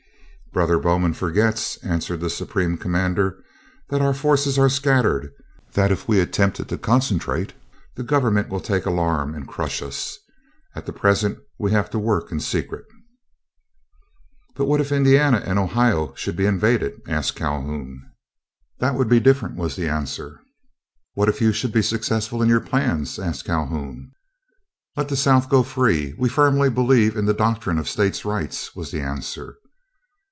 "Brother Bowman forgets," answered the Supreme Commander, "that our forces are scattered; that if we attempt to concentrate, the government will take alarm and crush us. At present we have to work in secret." "But what if Indiana and Ohio should be invaded?" asked Calhoun. "That would be different," was the answer. "What if you should be successful in your plans?" asked Calhoun. "Let the South go free. We firmly believe in the doctrine of States' Rights," was the answer.